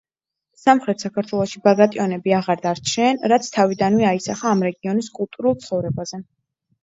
სამხრეთ საქართველოში ბაგრატიონები აღარ დარჩნენ, რაც თავიდანვე აისახა ამ რეგიონის კულტურულ ცხოვრებაზე.